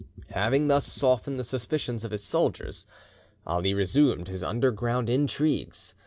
Having thus softened the suspicions of his soldiers, Ali resumed his underground intrigues.